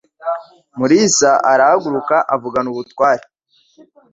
Mulisa arahaguruka avugana ubutware.